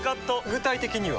具体的には？